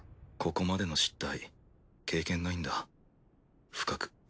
ここまでの失態経験ないんだ不覚。